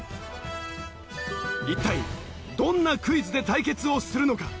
一体どんなクイズで対決をするのか？